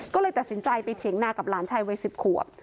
ก็เลยตัดสินใจไปเถียงนากับหลานชายวัย๑๐ขวบ